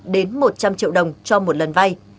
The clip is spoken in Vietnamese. đến một trăm linh triệu đồng cho một lần vay